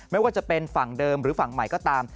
ไม่ว่าจะเป็นฝั่งเดิมหรือฝั่งใหม่ก็ตาม